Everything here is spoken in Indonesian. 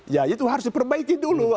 ya itu harus diperbaiki dulu